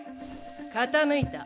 傾いた。